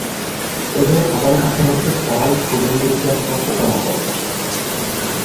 এদের প্রধান খাদ্য হচ্ছে ফল, ফুলের নির্যাস ও পোকামাকড়।